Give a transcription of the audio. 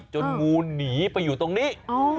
งูหนีไปอยู่ตรงนี้